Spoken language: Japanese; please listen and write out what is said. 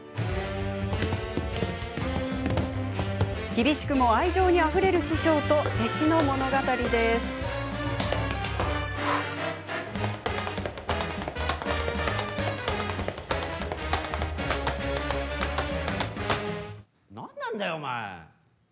厳しくも愛情にあふれる師匠と弟子の物語です。何なんだよお前。